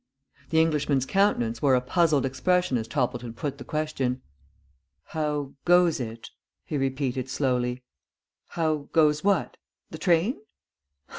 The Englishman's countenance wore a puzzled expression as Toppleton put the question. "How goes it?" he repeated slowly. "How goes what? The train?"